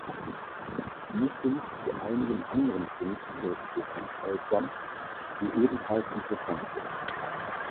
Ich möchte mich zu einigen anderen Punkten Ihres Programms äußern, die ebenfalls interessant sind.